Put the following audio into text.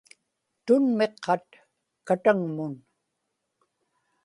tunmiqqat kataŋmun